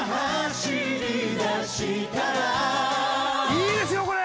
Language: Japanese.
いいですよこれ！